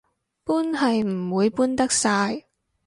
搬係唔會搬得晒